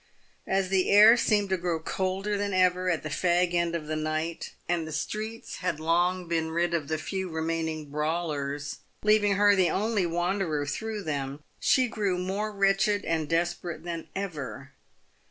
As the air seemed to grow colder than ever at the fag end of the night, and the streets had long been rid of the few remaining brawlers, leaving her the only wanderer through them, she grew more wretched and desperate than ever.